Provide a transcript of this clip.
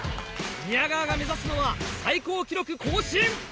宮川が目指すのは最高記録更新！